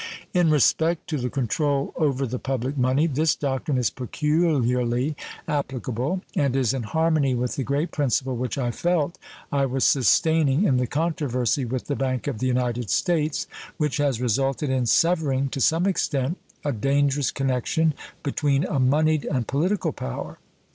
In respect to the control over the public money this doctrine is peculiarly applicable, and is in harmony with the great principle which I felt I was sustaining in the controversy with the Bank of the United States, which has resulted in severing to some extent a dangerous connection between a moneyed and political power.